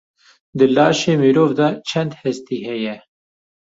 Di laşê mirov de çend hestî heye?